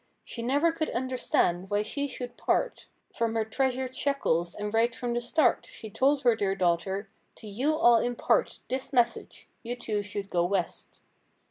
She never could understand why she should part— From her treasured sheckels, and right from the start She told her dear daughter—"To you I'll impart This message—you two should go west."